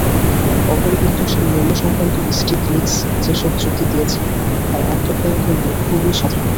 অপরিবর্তনশীল মূল্য-সংক্রান্ত Stiglitz যেসব যুক্তি দিয়েছেন তার অন্তর্জ্ঞান কিন্তু খুবই সাধারণ।